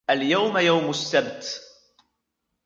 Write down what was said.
اليوم يوم السبت.